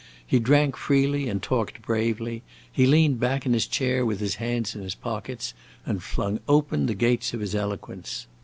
He drank freely and talked bravely; he leaned back in his chair with his hands in his pockets, and flung open the gates of his eloquence.